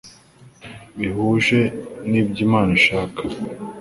bihuje n ibyo Imana ishaka